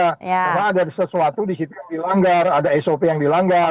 karena ada sesuatu disitu yang dilanggar ada sop yang dilanggar